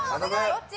どっち？